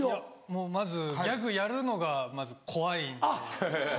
もうまずギャグやるのが怖いんで。